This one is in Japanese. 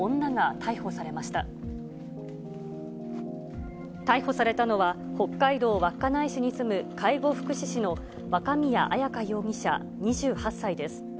逮捕されたのは、北海道稚内市に住む介護福祉士の若宮あやか容疑者２８歳です。